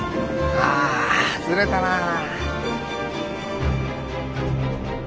ああずれたなぁ。